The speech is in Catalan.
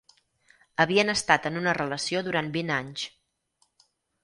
Havien estat en una relació durant vint anys.